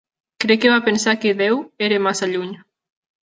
Crec que va pensar que Déu era massa lluny.